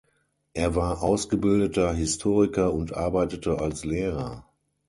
Er war ausgebildeter Historiker und arbeitete als Lehrer.